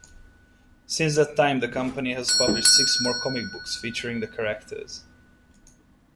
Since that time the company has published six more comic books featuring the characters.